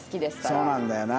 そうなんだよな。